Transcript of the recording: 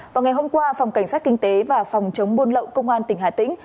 vào ngày hôm qua phòng cảnh sát kinh tế và phòng chống buôn lậu công an tỉnh hà tĩnh